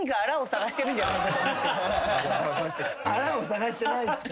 あらを探してないですから。